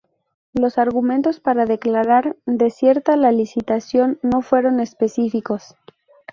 Los argumentos para declarar desierta la licitación no fueron específicos.